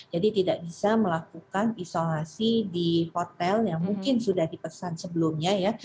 jadi tidak bisa melakukan isolasi di hotel yang mungkin sudah dipesan sebelumnya ya